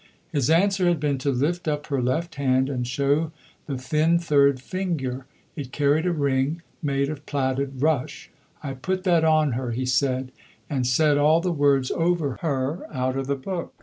His answer had been to lift up her left hand and show the thin third finger. It carried a ring, made of plaited rush. "I put that on her," he said, "and said all the words over her out of the book."